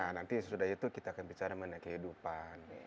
nah nanti setelah itu kita akan bicara mengenai kehidupan